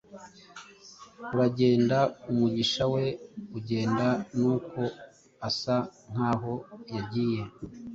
aragenda, umugisha we ugenda, nuko asa nkaho yagiye: